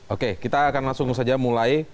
oke kita akan langsung saja mulai